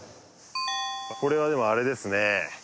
これはでもあれですね